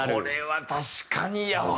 これは確かにやわ。